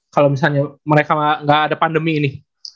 kalau misalnya mereka nggak ada pandemi ini